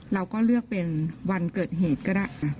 เราก็เลือกเป็นวันเกิดเหตุก็ได้